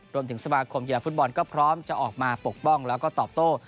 รวมถึงสมาคมกีฬาฟุตบอลก็พร้อมจะออกมาปกป้องแล้วก็ตอบโต้